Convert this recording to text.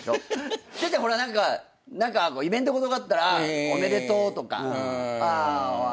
ほら何かイベント事があったら「おめでとう」とか「お疲れさま」